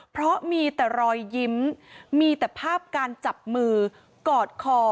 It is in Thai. เพราะมีแต่รอยยิ้มมีแต่ภาพการจับมือกอดคอ